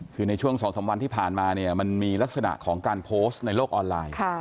คือในช่วง๒๓วันที่ผ่านมาเนี่ยมันมีลักษณะของการโพสต์ในโลกออนไลน์